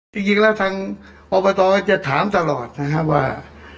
จริงแล้วท่างอรปตอจะถามตลอดนะคะว่า